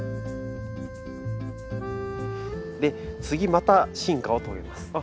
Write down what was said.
で次また進化を遂げます。